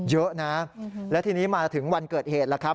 เยอะนะแล้วทีนี้มาถึงวันเกิดเหตุแล้วครับ